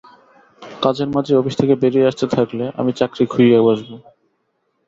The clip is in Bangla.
কাজের মাঝেই অফিস থেকে বেরিয়ে আসতে থাকলে, আমি চাকরি খুইয়ে বসবো।